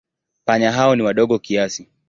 Panya hao ni wadogo kiasi.